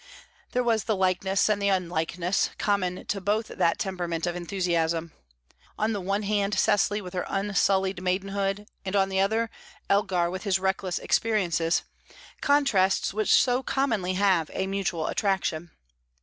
There was the likeness and the unlikeness; common to both that temperament of enthusiasm. On the one hand, Cecily with her unsullied maidenhood; and on the other, Elgar with his reckless experiences contrasts which so commonly have a mutual attraction.